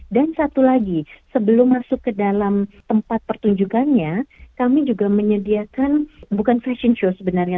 dan satu lagi sebelum masuk ke dalam tempat pertunjukannya kami juga menyediakan bukan fashion show sebenarnya